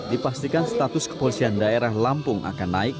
dipastikan status kepolisian daerah lampung akan naik